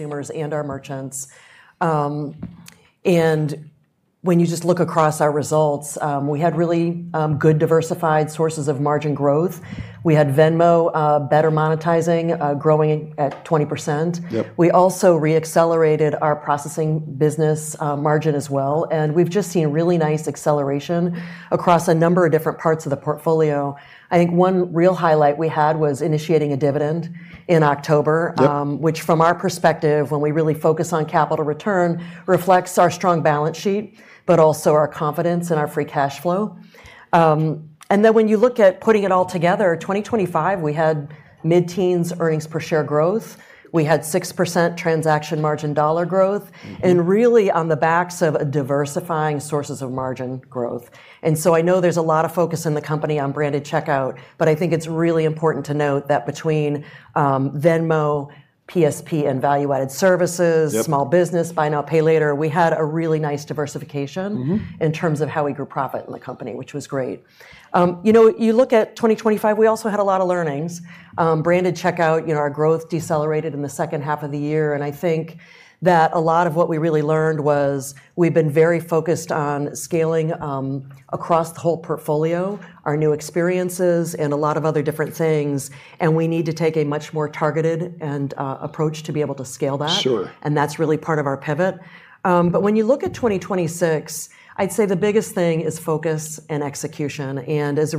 Consumers and our merchants. When you just look across our results, we had really good diversified sources of margin growth. We had Venmo better monetizing, growing at 20%. Yep. We also re-accelerated our processing business margin as well, and we've just seen really nice acceleration across a number of different parts of the portfolio. I think one real highlight we had was initiating a dividend in October. Yep. which from our perspective, when we really focus on capital return, reflects our strong balance sheet, but also our confidence in our free cash flow. When you look at putting it all together, 2025, we had mid-teens earnings per share growth. We had 6% transaction margin dollar growth. Really on the backs of diversifying sources of margin growth. I know there's a lot of focus in the company on branded checkout, but I think it's really important to note that between Venmo, PSP, and value-added services. Yep. small business, buy now, pay later, we had a really nice diversification. In terms of how we grew profit in the company, which was great. You know, you look at 2025, we also had a lot of learnings. Branded checkout, you know, our growth decelerated in the second half of the year, and I think that a lot of what we really learned was we've been very focused on scaling across the whole portfolio our new experiences and a lot of other different things, and we need to take a much more targeted and approach to be able to scale that. Sure. That's really part of our pivot. When you look at 2026, I'd say the biggest thing is focus and execution. As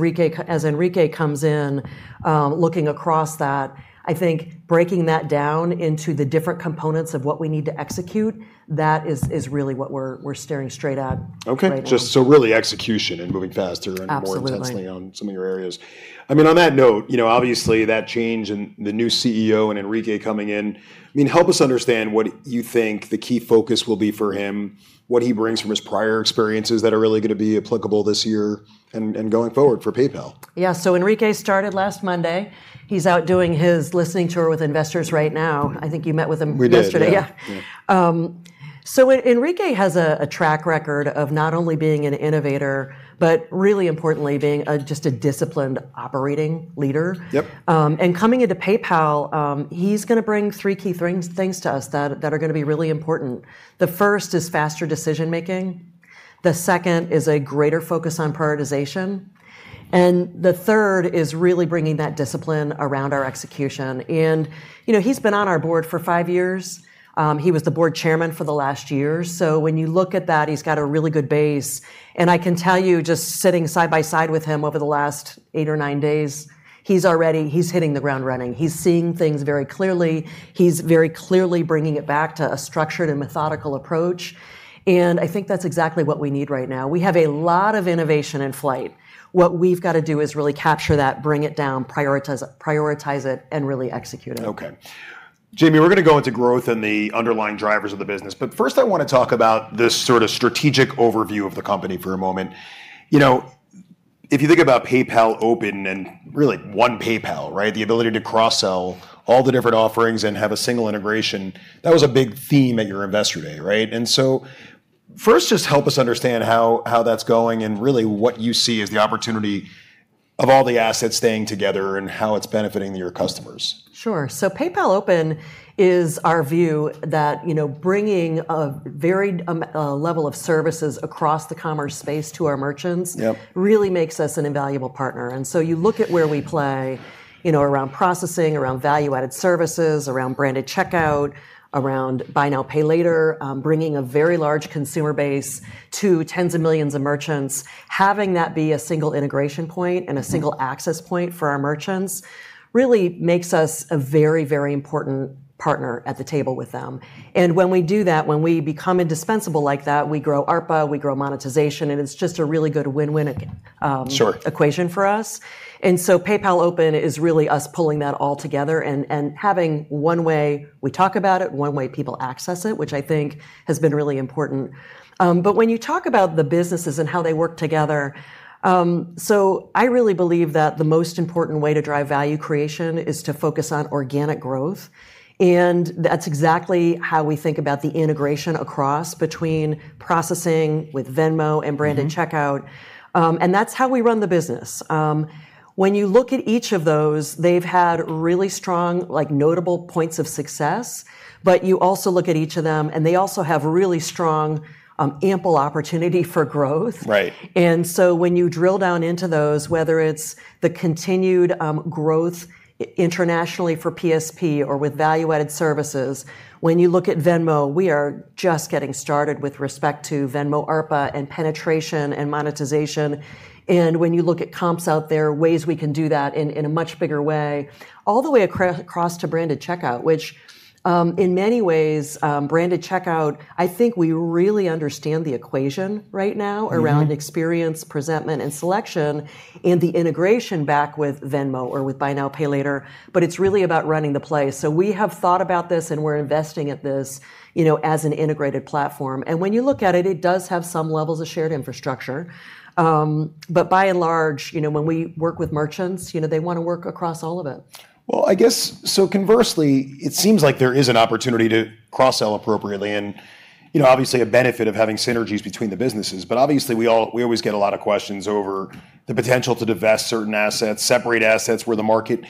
Enrique comes in, looking across that, I think breaking that down into the different components of what we need to execute, that is really what we're staring straight at right now. Okay. Just so really execution and moving faster. Absolutely. more intensely on some of your areas. I mean, on that note, you know, obviously that change and the new CEO and Enrique coming in, I mean, help us understand what you think the key focus will be for him, what he brings from his prior experiences that are really gonna be applicable this year and going forward for PayPal? Yeah. Enrique started last Monday. He's out doing his listening tour with investors right now. I think you met with him. We did. Yeah. yesterday. Yeah. Yeah. Enrique has a track record of not only being an innovator, but really importantly, being just a disciplined operating leader. Yep. Coming into PayPal, he's gonna bring three key things to us that are gonna be really important. The first is faster decision-making, the second is a greater focus on prioritization, and the third is really bringing that discipline around our execution. You know, he's been on our board for five years. He was the board chairman for the last year. When you look at that, he's got a really good base. I can tell you just sitting side by side with him over the last eight or nine days, he's hitting the ground running. He's seeing things very clearly. He's very clearly bringing it back to a structured and methodical approach, and I think that's exactly what we need right now. We have a lot of innovation in flight. What we've gotta do is really capture that, bring it down, prioritize it, and really execute it. Okay. Jamie, we're gonna go into growth and the underlying drivers of the business, but first I wanna talk about this sort of strategic overview of the company for a moment. You know, if you think about PayPal Open and really one PayPal, right? The ability to cross-sell all the different offerings and have a single integration, that was a big theme at your Investor Day, right? First, just help us understand how that's going and really what you see as the opportunity of all the assets staying together and how it's benefiting your customers. Sure. PayPal Open is our view that, you know, bringing a varied level of services across the commerce space to our merchants. Yep. Really makes us an invaluable partner. You look at where we play, you know, around processing, around value-added services, around branded checkout, around buy now, pay later, bringing a very large consumer base to tens of millions of merchants, having that be a single integration point and a single access point for our merchants really makes us a very, very important partner at the table with them. When we do that, when we become indispensable like that, we grow ARPA, we grow monetization, and it's just a really good win-win. Sure. equation for us. PayPal Open is really us pulling that all together and having one way we talk about it, one way people access it, which I think has been really important. But when you talk about the businesses and how they work together, so I really believe that the most important way to drive value creation is to focus on organic growth, and that's exactly how we think about the integration across between processing with Venmo and branded checkout. That's how we run the business. When you look at each of those, they've had really strong, like, notable points of success, but you also look at each of them, and they also have really strong, ample opportunity for growth. Right. When you drill down into those, whether it's the continued growth internationally for PSP or with value-added services, when you look at Venmo, we are just getting started with respect to Venmo ARPA and penetration and monetization. When you look at comps out there, ways we can do that in a much bigger way, all the way across to branded checkout, which, in many ways, branded checkout, I think we really understand the equation right now. Around experience, presentment, and selection, and the integration back with Venmo or with buy now, pay later, but it's really about running the play. We have thought about this, and we're investing in this, you know, as an integrated platform. When you look at it does have some levels of shared infrastructure. By and large, you know, when we work with merchants, you know, they wanna work across all of it. Well, I guess so conversely, it seems like there is an opportunity to cross-sell appropriately and you know, obviously a benefit of having synergies between the businesses, but obviously we always get a lot of questions over the potential to divest certain assets, separate assets where the market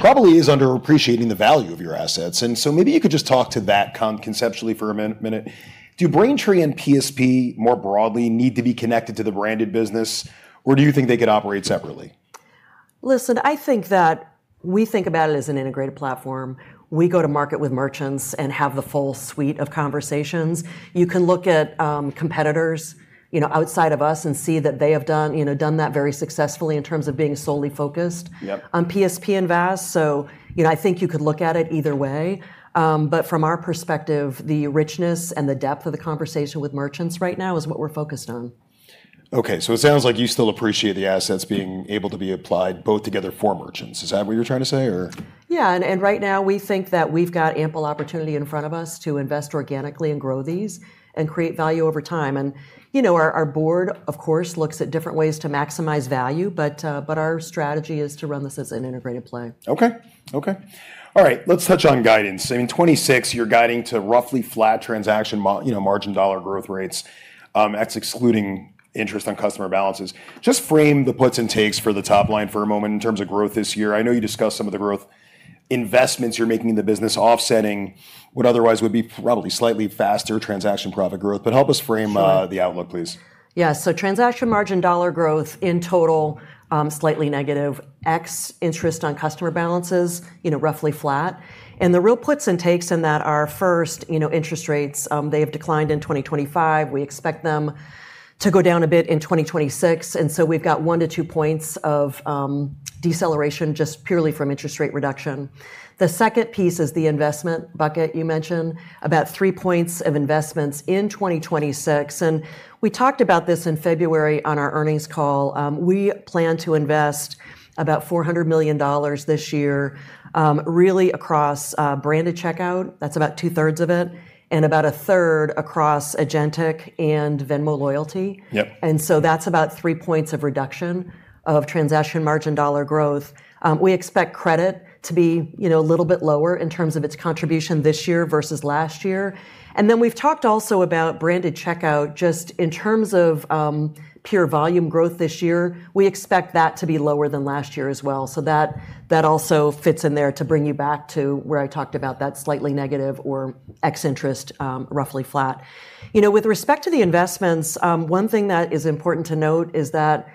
probably is underappreciating the value of your assets. Maybe you could just talk to that conceptually for a minute. Do Braintree and PSP more broadly need to be connected to the branded business, or do you think they could operate separately? Listen, I think that we think about it as an integrated platform. We go to market with merchants and have the full suite of conversations. You can look at competitors, you know, outside of us and see that they have done that very successfully in terms of being solely focused- Yep. -on PSP and VAS, so you know, I think you could look at it either way. From our perspective, the richness and the depth of the conversation with merchants right now is what we're focused on. Okay, it sounds like you still appreciate the assets being able to be applied both together for merchants. Is that what you're trying to say or? Yeah, right now we think that we've got ample opportunity in front of us to invest organically and grow these and create value over time. You know, our board, of course, looks at different ways to maximize value, but our strategy is to run this as an integrated play. Okay. All right. Let's touch on guidance. I mean, 2026, you're guiding to roughly flat transaction margin dollar growth rates, you know, excluding interest on customer balances. Just frame the puts and takes for the top line for a moment in terms of growth this year. I know you discussed some of the growth investments you're making in the business offsetting what otherwise would be probably slightly faster transaction profit growth. Help us frame. Sure. The outlook, please. Transaction margin dollar growth in total, slightly negative ex interest on customer balances, you know, roughly flat. The real puts and takes in that are first, you know, interest rates, they have declined in 2025. We expect them to go down a bit in 2026, we've got 1-2 points of deceleration just purely from interest rate reduction. The second piece is the investment bucket you mentioned, about three points of investments in 2026. We talked about this in February on our earnings call. We plan to invest about $400 million this year, really across branded checkout. That's about two-thirds of it, and about a third across Agentic and Venmo Stash. Yep. That's about 3 points of reduction of transaction margin dollar growth. We expect credit to be, you know, a little bit lower in terms of its contribution this year versus last year. We've talked also about branded checkout just in terms of pure volume growth this year. We expect that to be lower than last year as well, so that also fits in there to bring you back to where I talked about that slightly negative or ex interest, roughly flat. You know, with respect to the investments, one thing that is important to note is that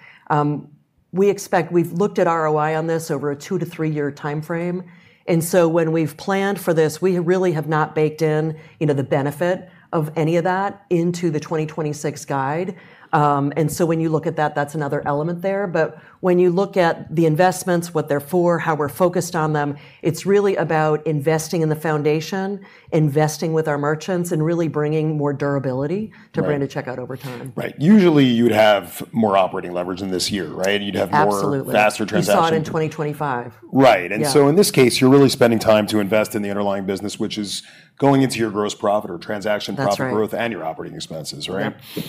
we've looked at ROI on this over a two to three-year timeframe, and so when we've planned for this, we really have not baked in, you know, the benefit of any of that into the 2026 guide. When you look at that's another element there. When you look at the investments, what they're for, how we're focused on them, it's really about investing in the foundation, investing with our merchants, and really bringing more durability. Right. to branded checkout over time. Right. Usually, you'd have more operating leverage in this year, right? Absolutely. faster transaction You saw it in 2025. Right. Yeah. In this case, you're really spending time to invest in the underlying business, which is going into your gross profit or transaction profit growth. That's right. your operating expenses, right? Yep.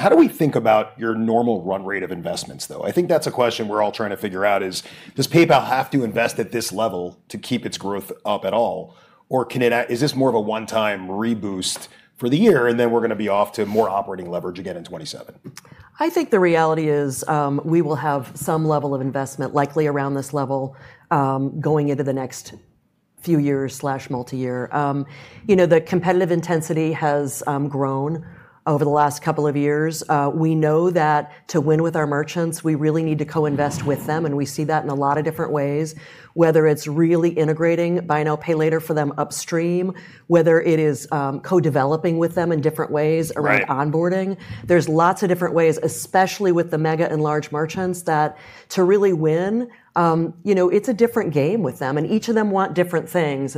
How do we think about your normal run rate of investments, though? I think that's a question we're all trying to figure out is, does PayPal have to invest at this level to keep its growth up at all, or is this more of a one-time reboost for the year, and then we're gonna be off to more operating leverage again in 2027? I think the reality is, we will have some level of investment likely around this level, going into the next few years/multi-year. You know, the competitive intensity has grown over the last couple of years. We know that to win with our merchants, we really need to co-invest with them, and we see that in a lot of different ways, whether it's really integrating buy now, pay later for them upstream, whether it is, co-developing with them in different ways around. Right. onboarding. There's lots of different ways, especially with the mega and large merchants, that to really win, you know, it's a different game with them, and each of them want different things.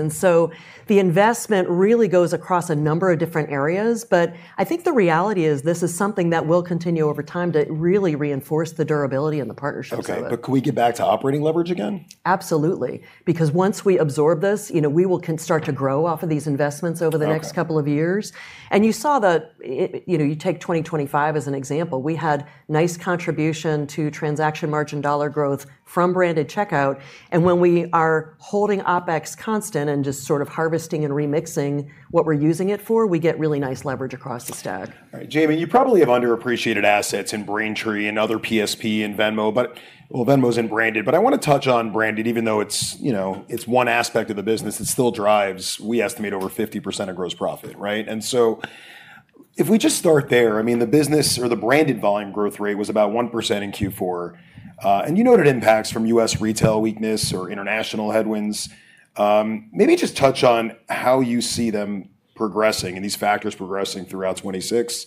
The investment really goes across a number of different areas. I think the reality is this is something that will continue over time to really reinforce the durability and the partnerships of it. Okay, could we get back to operating leverage again? Absolutely. Because once we absorb this, you know, we will start to grow off of these investments over the next. Okay. Couple of years. You saw you know, you take 2025 as an example, we had nice contribution to transaction margin dollar growth from branded checkout. When we are holding OpEx constant and just sort of harvesting and remixing what we're using it for, we get really nice leverage across the stack. All right. Jamie, you probably have underappreciated assets in Braintree and other PSP and Venmo, but Venmo's in branded. I wanna touch on branded, even though it's, you know, it's one aspect of the business that still drives, we estimate, over 50% of gross profit, right? If we just start there, I mean, the business or the branded volume growth rate was about 1% in Q4. You noted impacts from U.S. retail weakness or international headwinds. Maybe just touch on how you see them progressing and these factors progressing throughout 2026?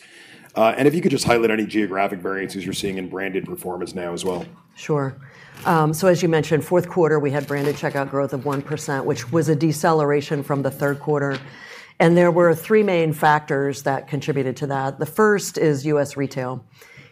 If you could just highlight any geographic variances you're seeing in branded performance now as well. Sure. As you mentioned, fourth quarter, we had branded checkout growth of 1%, which was a deceleration from the third quarter. There were three main factors that contributed to that. The first is U.S. retail.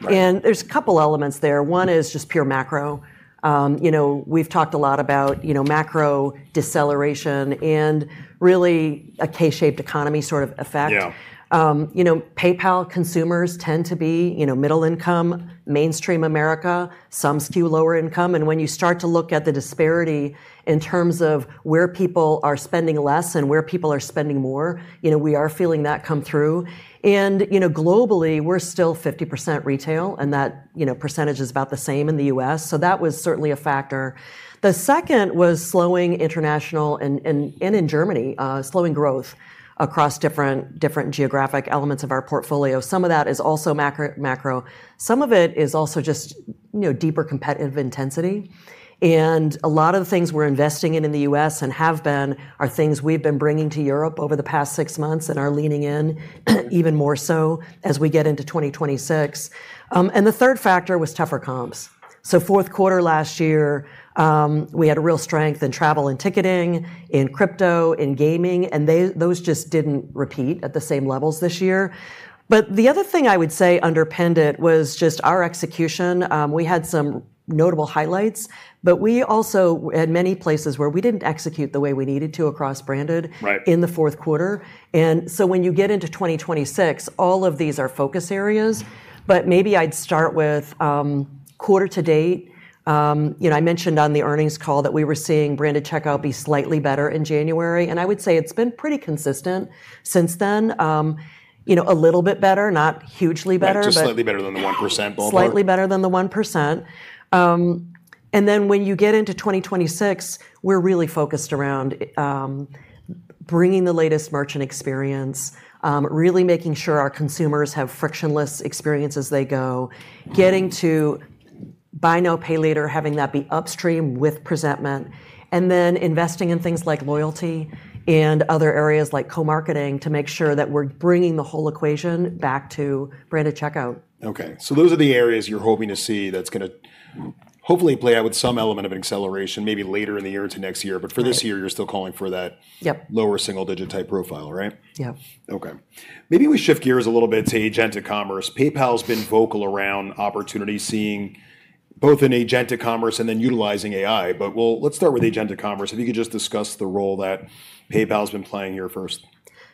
Right. There's a couple elements there. One is just pure macro. You know, we've talked a lot about, you know, macro deceleration and really a K-shaped economy sort of effect. Yeah. You know, PayPal consumers tend to be, you know, middle income, mainstream America, some skew lower income. When you start to look at the disparity in terms of where people are spending less and where people are spending more, you know, we are feeling that come through. You know, globally, we're still 50% retail, and that, you know, percentage is about the same in the U.S. That was certainly a factor. The second was slowing international and in Germany, slowing growth across different geographic elements of our portfolio. Some of that is also macro. Some of it is also just, you know, deeper competitive intensity. A lot of the things we're investing in the U.S. and have been are things we've been bringing to Europe over the past six months and are leaning in even more so as we get into 2026. The third factor was tougher comps. Fourth quarter last year, we had a real strength in travel and ticketing, in crypto, in gaming, and those just didn't repeat at the same levels this year. The other thing I would say underpinned it was just our execution. We had some notable highlights, but we also had many places where we didn't execute the way we needed to across branded- Right. In the fourth quarter. When you get into 2026, all of these are focus areas. Maybe I'd start with quarter to date. You know, I mentioned on the earnings call that we were seeing branded checkout be slightly better in January, and I would say it's been pretty consistent since then. You know, a little bit better, not hugely better, but. Just slightly better than the 1% ballpark. Slightly better than the 1%. When you get into 2026, we're really focused around bringing the latest merchant experience, really making sure our consumers have frictionless experience as they go, getting to buy now, pay later, having that be upstream with presentment, and then investing in things like loyalty and other areas like co-marketing to make sure that we're bringing the whole equation back to branded checkout. Okay. Those are the areas you're hoping to see that's gonna hopefully play out with some element of acceleration maybe later in the year to next year. Right. For this year, you're still calling for that. Yep. Lower single digit type profile, right? Yeah. Okay. Maybe we shift gears a little bit to agentic commerce. PayPal's been vocal around opportunities, seeing both in agentic commerce and then utilizing AI. Let's start with agentic commerce. If you could just discuss the role that PayPal's been playing here first.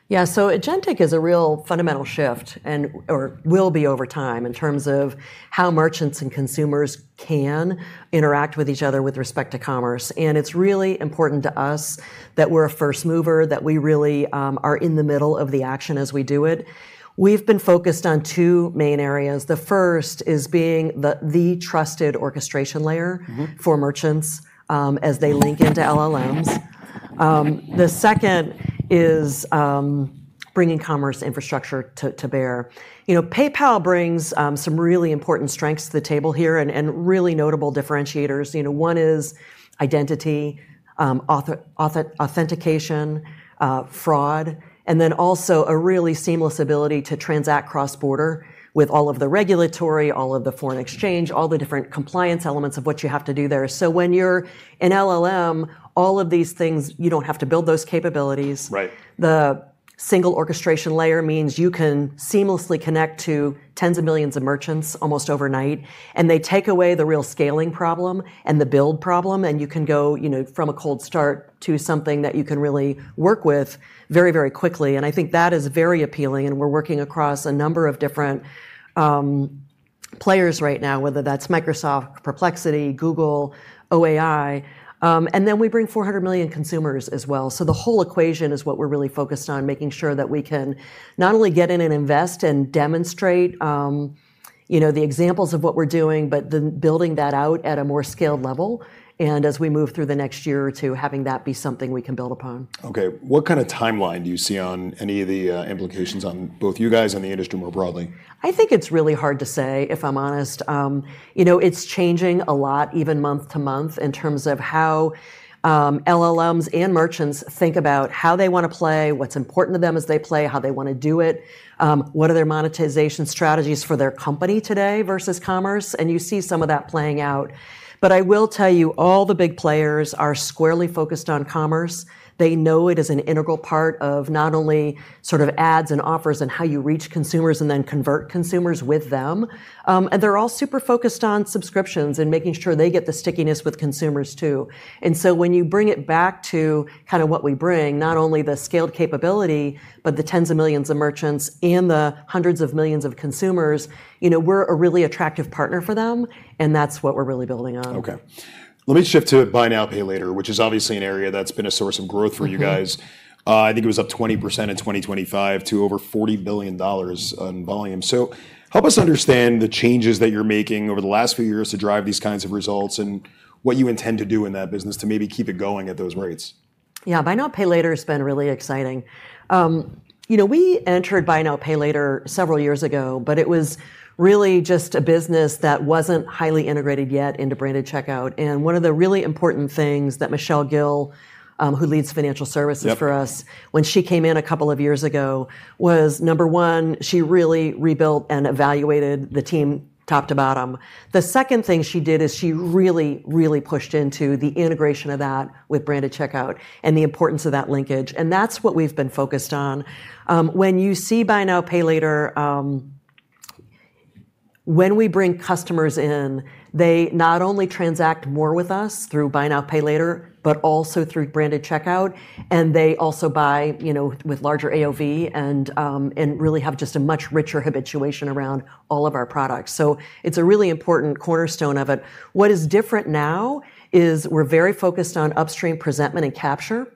Yeah. Agentic is a real fundamental shift and/or will be over time in terms of how merchants and consumers can interact with each other with respect to commerce. It's really important to us that we're a first mover, that we really are in the middle of the action as we do it. We've been focused on two main areas. The first is being the trusted orchestration layer. For merchants, as they link into LLMs. The second is bringing commerce infrastructure to bear. You know, PayPal brings some really important strengths to the table here and really notable differentiators. You know, one is identity, authentication, fraud, and then also a really seamless ability to transact cross-border with all of the regulatory, all of the foreign exchange, all the different compliance elements of what you have to do there. When you're an LLM, all of these things, you don't have to build those capabilities. Right. The single orchestration layer means you can seamlessly connect to tens of millions of merchants almost overnight, and they take away the real scaling problem and the build problem, and you can go, you know, from a cold start to something that you can really work with very, very quickly. I think that is very appealing, and we're working across a number of different players right now, whether that's Microsoft, Perplexity, Google, OpenAI. Then we bring 400 million consumers as well. The whole equation is what we're really focused on, making sure that we can not only get in and invest and demonstrate, you know, the examples of what we're doing, but then building that out at a more scaled level, and as we move through the next year or two, having that be something we can build upon. Okay. What kinda timeline do you see on any of the implications on both you guys and the industry more broadly? I think it's really hard to say, if I'm honest. You know, it's changing a lot even month to month in terms of how LLMs and merchants think about how they wanna play, what's important to them as they play, how they wanna do it, what are their monetization strategies for their company today versus commerce, and you see some of that playing out. I will tell you, all the big players are squarely focused on commerce. They know it is an integral part of not only sort of ads and offers and how you reach consumers and then convert consumers with them. They're all super focused on subscriptions and making sure they get the stickiness with consumers too. When you bring it back to kind of what we bring, not only the scaled capability, but the tens of millions of merchants and the hundreds of millions of consumers, you know, we're a really attractive partner for them, and that's what we're really building on. Okay. Let me shift to buy now, pay later, which is obviously an area that's been a source of growth for you guys. I think it was up 20% in 2025 to over $40 billion on volume. Help us understand the changes that you're making over the last few years to drive these kinds of results and what you intend to do in that business to maybe keep it going at those rates. Yeah. Buy now, pay later has been really exciting. You know, we entered buy now, pay later several years ago, but it was really just a business that wasn't highly integrated yet into branded checkout. One of the really important things that Michelle Gill, who leads financial services- Yep. for us when she came in a couple of years ago, was number one, she really rebuilt and evaluated the team top to bottom. The second thing she did is she really, really pushed into the integration of that with branded checkout and the importance of that linkage, and that's what we've been focused on. When you see buy now, pay later, when we bring customers in, they not only transact more with us through buy now, pay later, but also through branded checkout, and they also buy, you know, with larger AOV and really have just a much richer habituation around all of our products. It's a really important cornerstone of it. What is different now is we're very focused on upstream presentment and capture,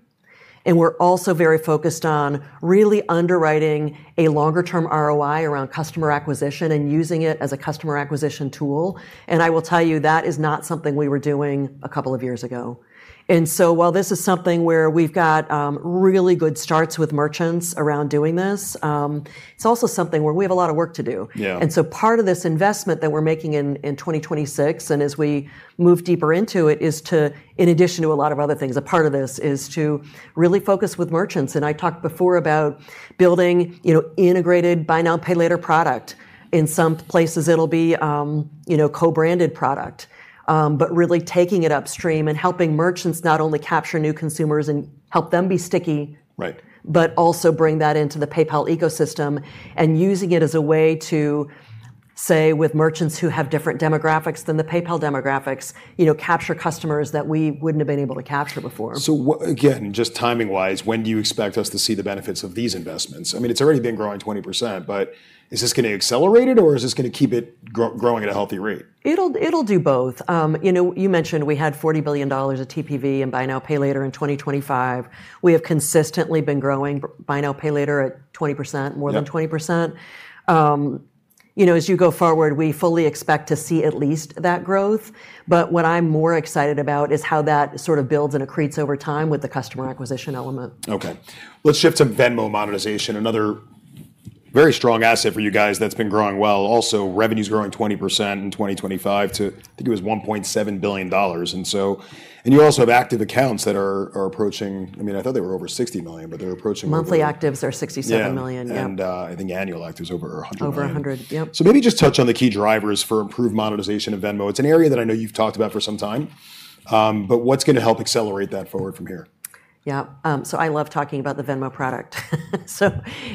and we're also very focused on really underwriting a longer-term ROI around customer acquisition and using it as a customer acquisition tool. I will tell you that is not something we were doing a couple of years ago. While this is something where we've got really good starts with merchants around doing this, it's also something where we have a lot of work to do. Yeah. Part of this investment that we're making in 2026 and as we move deeper into it is, in addition to a lot of other things, a part of this is to really focus with merchants. I talked before about building, you know, integrated buy now, pay later product. In some places it'll be, you know, co-branded product. But really taking it upstream and helping merchants not only capture new consumers and help them be sticky. Right also bring that into the PayPal ecosystem and using it as a way to, say, with merchants who have different demographics than the PayPal demographics, you know, capture customers that we wouldn't have been able to capture before. Again, just timing-wise, when do you expect us to see the benefits of these investments? I mean, it's already been growing 20%, but is this gonna accelerate it or is this gonna keep it growing at a healthy rate? It'll do both. You know, you mentioned we had $40 billion of TPV in buy now, pay later in 2025. We have consistently been growing buy now, pay later at 20%- Yeah. more than 20%. You know, as you go forward, we fully expect to see at least that growth. What I'm more excited about is how that sort of builds and accretes over time with the customer acquisition element. Okay. Let's shift to Venmo monetization, another very strong asset for you guys that's been growing well. Also, revenue's growing 20% in 2025 to, I think it was $1.7 billion. You also have active accounts that are approaching- I mean, I thought they were over 60 million, but they're approaching- Monthly actives are 67 million. Yeah. Yep. I think annual actives over 100 million. Over 100. Yep. Maybe just touch on the key drivers for improved monetization of Venmo. It's an area that I know you've talked about for some time, but what's gonna help accelerate that forward from here? I love talking about the Venmo product.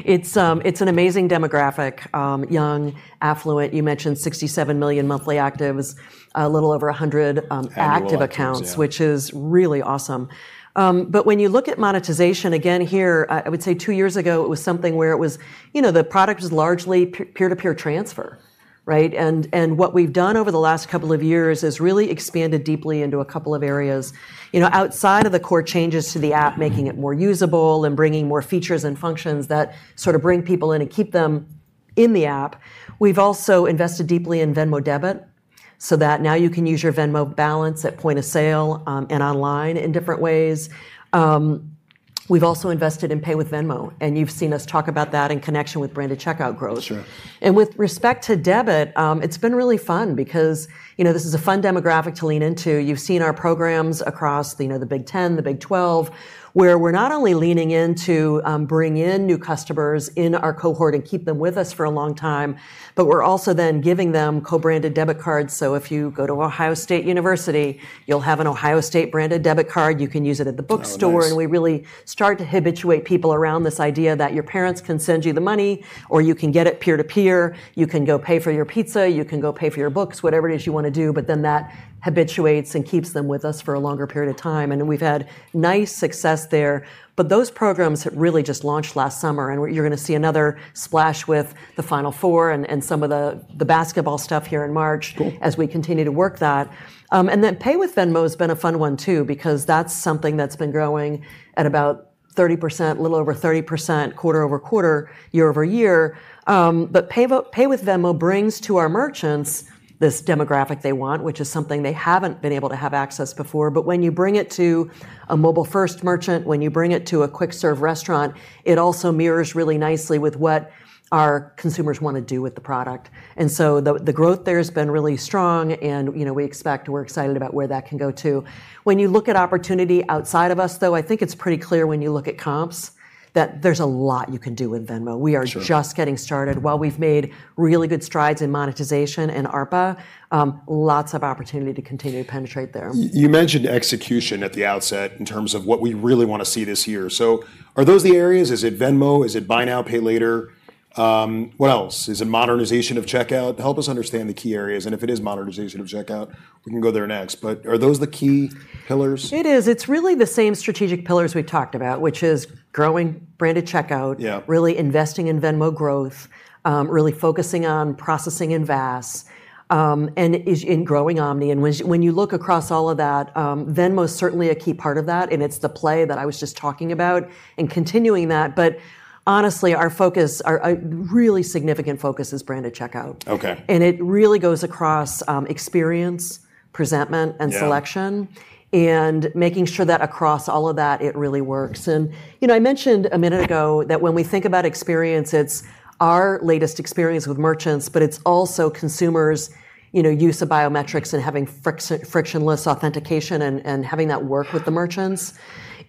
It's an amazing demographic, young, affluent. You mentioned 67 million monthly actives, a little over 100, Annual actives, yeah. active accounts, which is really awesome. When you look at monetization, again here, I would say two years ago it was something where it was, you know, the product was largely peer-to-peer transfer, right? What we've done over the last couple of years is really expanded deeply into a couple of areas. You know, outside of the core changes to the app, making it more usable and bringing more features and functions that sort of bring people in and keep them in the app, we've also invested deeply in Venmo Debit so that now you can use your Venmo balance at point of sale, and online in different ways. We've also invested in Pay with Venmo, and you've seen us talk about that in connection with branded checkout growth. Sure. With respect to debit, it's been really fun because, you know, this is a fun demographic to lean into. You've seen our programs across, you know, the Big Ten, the Big 12, where we're not only leaning in to bring in new customers in our cohort and keep them with us for a long time, but we're also then giving them co-branded debit cards. If you go to The Ohio State University, you'll have an Ohio State branded debit card. You can use it at the bookstore. Oh, nice. We really start to habituate people around this idea that your parents can send you the money, or you can get it peer-to-peer. You can go pay for your pizza, you can go pay for your books, whatever it is you wanna do, but then that habituates and keeps them with us for a longer period of time. We've had nice success there. Those programs really just launched last summer, and you're gonna see another splash with the Final Four and some of the basketball stuff here in March. Yeah.. as we continue to work that. Pay with Venmo has been a fun one too, because that's something that's been growing at about 30%, a little over 30% quarter-over-quarter, year-over-year. Pay with Venmo brings to our merchants this demographic they want, which is something they haven't been able to have access before. When you bring it to a mobile-first merchant, when you bring it to a quick-serve restaurant, it also mirrors really nicely with what our consumers wanna do with the product. The growth there has been really strong and, you know, we expect, we're excited about where that can go too. When you look at opportunity outside of us though, I think it's pretty clear when you look at comps that there's a lot you can do with Venmo. Sure. We are just getting started. While we've made really good strides in monetization and ARPA, lots of opportunity to continue to penetrate there. You mentioned execution at the outset in terms of what we really wanna see this year. Are those the areas? Is it Venmo? Is it buy now, pay later? What else? Is it modernization of checkout? Help us understand the key areas, and if it is modernization of checkout, we can go there next. Are those the key pillars? It is. It's really the same strategic pillars we talked about, which is growing branded checkout. Yeah. really investing in Venmo growth, really focusing on processing in VAS, and investing in growing omni-commerce. When you look across all of that, Venmo's certainly a key part of that, and it's the play that I was just talking about and continuing that. But honestly, our focus, our really significant focus is branded checkout. Okay. It really goes across experience, presentment. Yeah. selection, and making sure that across all of that, it really works. You know, I mentioned a minute ago that when we think about experience, it's our latest experience with merchants, but it's also consumers', you know, use of biometrics and having frictionless authentication and having that work with the merchants.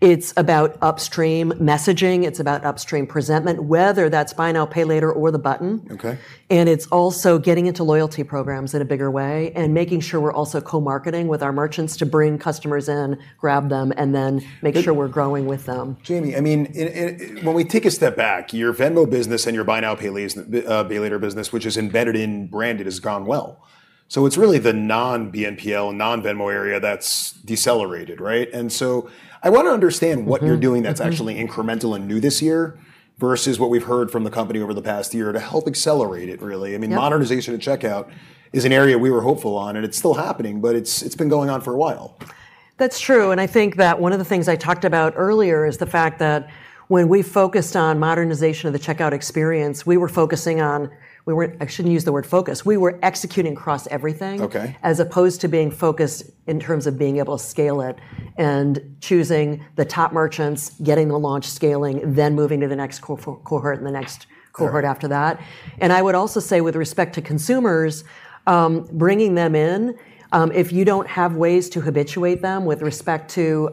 It's about upstream messaging. It's about upstream presentment, whether that's buy now, pay later or the button. Okay. It's also getting into loyalty programs in a bigger way and making sure we're also co-marketing with our merchants to bring customers in, grab them, and then make sure we're growing with them. Jamie, I mean, when we take a step back, your Venmo business and your buy now, pay later business, which is embedded in branded, has gone well. It's really the non-BNPL, non-Venmo area that's decelerated, right? I wanna understand what you're doing that's actually incremental and new this year versus what we've heard from the company over the past year to help accelerate it, really. Yep. I mean, modernization of checkout is an area we were hopeful on, and it's still happening, but it's been going on for a while. That's true, and I think that one of the things I talked about earlier is the fact that when we focused on modernization of the checkout experience, we were executing across everything. Okay. as opposed to being focused in terms of being able to scale it and choosing the top merchants, getting the launch scaling, then moving to the next cohort and the next cohort after that. I would also say with respect to consumers, bringing them in, if you don't have ways to habituate them with respect to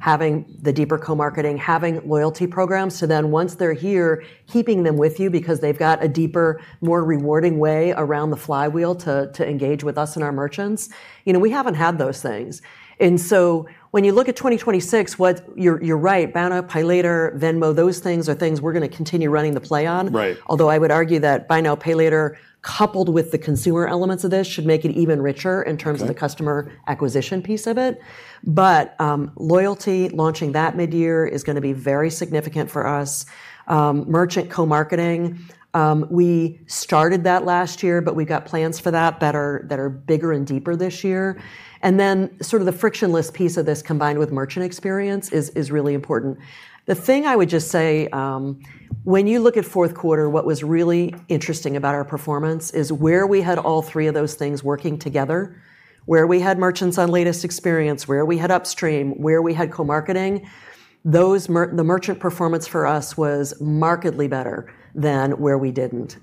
having the deeper co-marketing, having loyalty programs, so then once they're here, keeping them with you because they've got a deeper, more rewarding way around the flywheel to engage with us and our merchants. You know, we haven't had those things. So when you look at 2026, you're right, buy now, pay later, Venmo, those things are things we're gonna continue running the play on. Right. Although I would argue that buy now, pay later, coupled with the consumer elements of this, should make it even richer in terms of the customer acquisition piece of it. Loyalty, launching that midyear is gonna be very significant for us. Merchant co-marketing, we started that last year, but we got plans for that that are bigger and deeper this year. Then sort of the frictionless piece of this combined with merchant experience is really important. The thing I would just say, when you look at fourth quarter, what was really interesting about our performance is where we had all three of those things working together, where we had merchants on latest experience, where we had upstream, where we had co-marketing, those, the merchant performance for us was markedly better than where we didn't.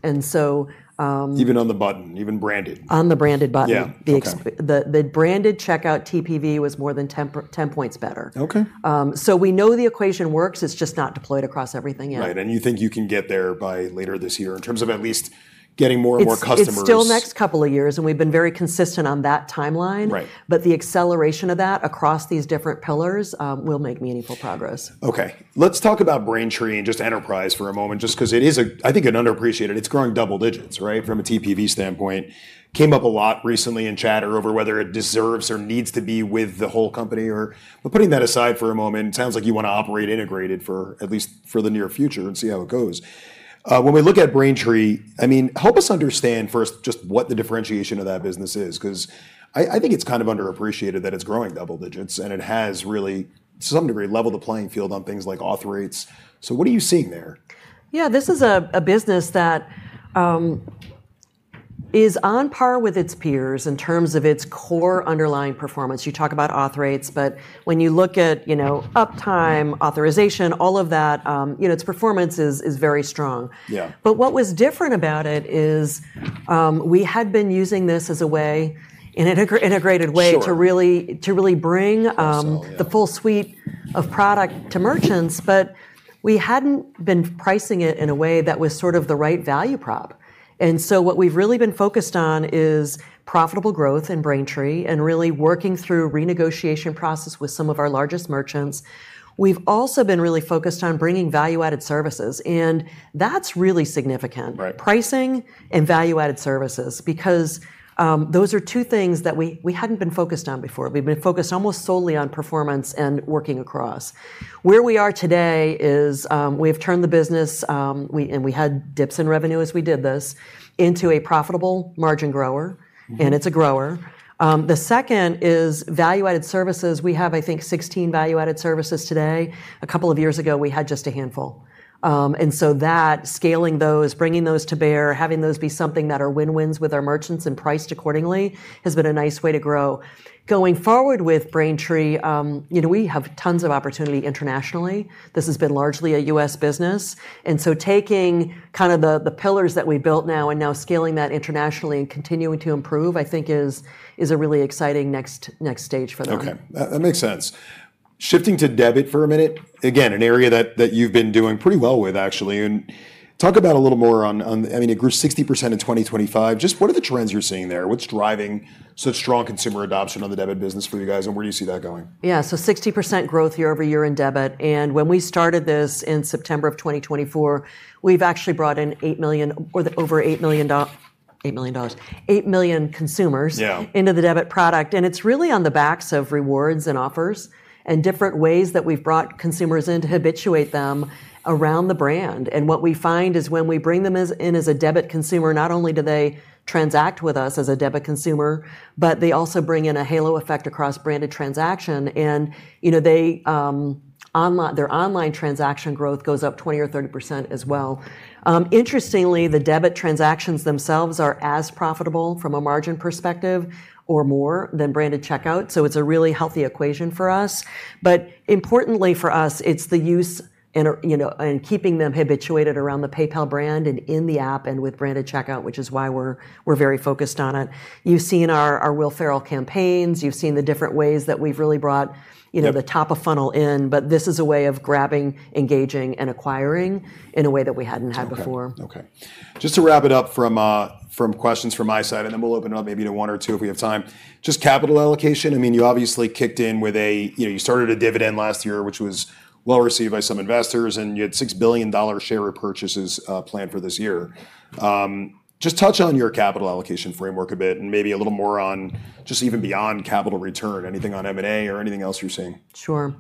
Even on the button, even branded. On the branded button. Yeah. Okay. The branded checkout TPV was more than 10 points better. Okay. We know the equation works. It's just not deployed across everything yet. Right. You think you can get there by later this year in terms of at least getting more and more customers? It's still next couple of years, and we've been very consistent on that timeline. Right. The acceleration of that across these different pillars will make meaningful progress. Okay. Let's talk about Braintree and just enterprise for a moment, just because it is a, I think, an underappreciated. It's growing double digits, right, from a TPV standpoint. Came up a lot recently in chatter over whether it deserves or needs to be with the whole company or. Putting that aside for a moment, it sounds like you wanna operate integrated for at least for the near future and see how it goes. When we look at Braintree, I mean, help us understand first just what the differentiation of that business is, 'cause I think it's kind of underappreciated that it's growing double digits, and it has really, to some degree, leveled the playing field on things like auth rates. So what are you seeing there? Yeah. This is a business that is on par with its peers in terms of its core underlying performance. You talk about auth rates, but when you look at, you know, uptime, authorization, all of that, you know, its performance is very strong. Yeah. What was different about it is, we had been using this as a way, an integrated way. Sure. to really bring. Cross sell, yeah The full suite of product to merchants, but we hadn't been pricing it in a way that was sort of the right value prop. What we've really been focused on is profitable growth in Braintree and really working through renegotiation process with some of our largest merchants. We've also been really focused on bringing value-added services, and that's really significant. Right. Pricing and value-added services, because those are two things that we hadn't been focused on before. We've been focused almost solely on performance and working across. Where we are today is we've turned the business and we had dips in revenue as we did this, into a profitable margin grower, and it's a grower. The second is value-added services. We have, I think, 16 value-added services today. A couple of years ago, we had just a handful. Scaling those, bringing those to bear, having those be something that are win-wins with our merchants and priced accordingly, has been a nice way to grow. Going forward with Braintree, you know, we have tons of opportunity internationally. This has been largely a U.S. business. Taking kind of the pillars that we built now and scaling that internationally and continuing to improve, I think is a really exciting next stage for them. Okay. That makes sense. Shifting to debit for a minute, again, an area that you've been doing pretty well with actually. I mean, it grew 60% in 2025. Just what are the trends you're seeing there? What's driving such strong consumer adoption on the debit business for you guys, and where do you see that going? 60% growth year-over-year in debit, and when we started this in September 2024, we've actually brought in over 8 million $8 million 8 million consumers. Yeah. Into the debit product, and it's really on the backs of rewards and offers, and different ways that we've brought consumers in to habituate them around the brand. What we find is when we bring them in as a debit consumer, not only do they transact with us as a debit consumer, but they also bring in a halo effect across branded transaction. You know, their online transaction growth goes up 20% or 30% as well. Interestingly, the debit transactions themselves are as profitable from a margin perspective or more than branded checkout, so it's a really healthy equation for us. Importantly for us, it's the use and, you know, keeping them habituated around the PayPal brand and in the app and with branded checkout, which is why we're very focused on it. You've seen our Will Ferrell campaigns. You've seen the different ways that we've really brought, you know. Yeah. The top of funnel in, but this is a way of grabbing, engaging, and acquiring in a way that we hadn't had before. Okay. Just to wrap it up from questions from my side, and then we'll open it up maybe to one or two if we have time. Just capital allocation, I mean, you know, you started a dividend last year, which was well-received by some investors, and you had $6 billion share repurchases planned for this year. Just touch on your capital allocation framework a bit and maybe a little more on just even beyond capital return. Anything on M&A or anything else you're seeing. Sure.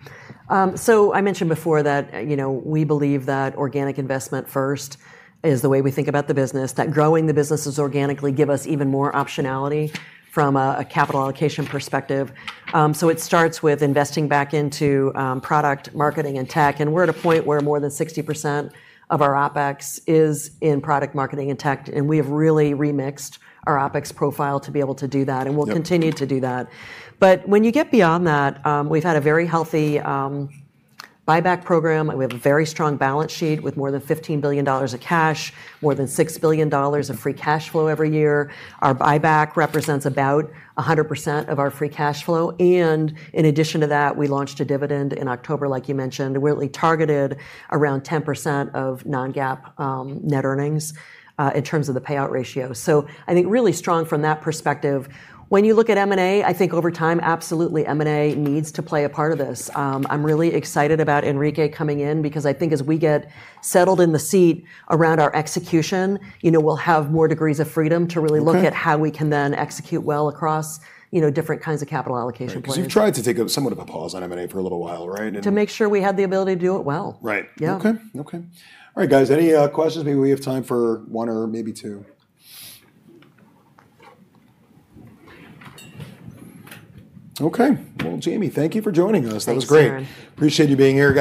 I mentioned before that, you know, we believe that organic investment first is the way we think about the business, that growing the businesses organically give us even more optionality from a capital allocation perspective. It starts with investing back into product marketing and tech, and we're at a point where more than 60% of our OpEx is in product marketing and tech, and we have really remixed our OpEx profile to be able to do that. Yeah. We'll continue to do that. When you get beyond that, we've had a very healthy buyback program. We have a very strong balance sheet with more than $15 billion of cash, more than $6 billion of free cash flow every year. Our buyback represents about 100% of our free cash flow, and in addition to that, we launched a dividend in October, like you mentioned, where we targeted around 10% of non-GAAP net earnings in terms of the payout ratio. I think really strong from that perspective. When you look at M&A, I think over time, absolutely M&A needs to play a part of this. I'm really excited about Enrique coming in because I think as we get settled in the seat around our execution, you know, we'll have more degrees of freedom to really look at- Okay. how we can then execute well across, you know, different kinds of capital allocation plans. Right. 'Cause you've tried to take a somewhat of a pause on M&A for a little while, right? To make sure we had the ability to do it well. Right. Yeah. Okay. All right, guys, any questions? Maybe we have time for one or maybe two. Okay. Well, Jamie, thank you for joining us. Thanks, Darrin. That was great. Appreciate you being here, guys.